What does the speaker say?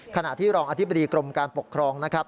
ขณะที่รองอธิบดีกรมการปกครองนะครับ